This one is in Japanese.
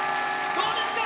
どうですか？